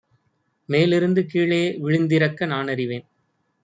மேலிருந்து கீழே விழுந்திறக்க நானறிவேன்.